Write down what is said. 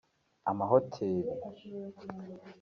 amahoteri